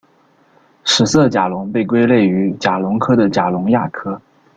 史色甲龙被归类于甲龙科的甲龙亚科。